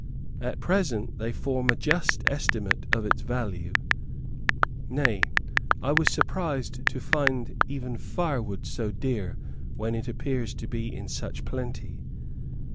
At present they form a just estimate of its value; nay, I was surprised to find even firewood so dear when it appears to be in such plenty.